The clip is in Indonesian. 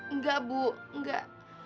enggak bu enggak